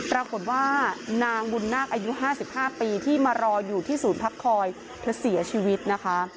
ปรากฏว่านางบุญนาคอายุ๕๕ปีที่มารออยู่ที่ศูนย์พักคอยเธอเสียชีวิตนะคะ